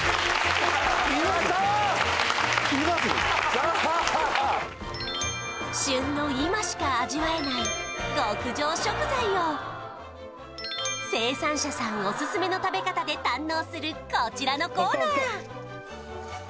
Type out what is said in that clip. さあ旬の今しか味わえない極上食材を生産者さんオススメの食べ方で堪能するこちらのコーナー